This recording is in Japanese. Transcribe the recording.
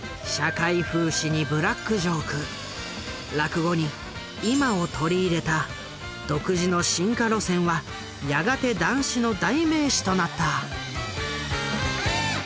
落語に「今」を取り入れた独自の進化路線はやがて談志の代名詞となった。